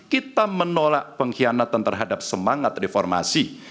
kita menolak pengkhianatan terhadap semangat reformasi